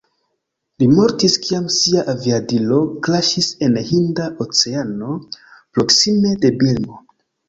Li mortis kiam sia aviadilo kraŝis en Hinda Oceano proksime de Birmo.